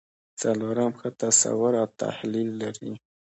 څلورم ښه تصور او تحلیل لري.